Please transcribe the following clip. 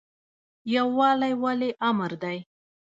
یووالی ولې امر دی؟